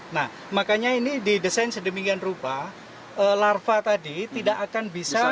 nah makanya ini didesain sedemikian rupa larva tadi tidak akan bisa